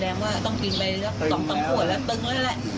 แสดงว่าต้องกินไป๒ขวดแล้วตึงแล้วแหละ